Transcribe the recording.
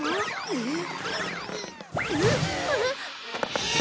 えっ！？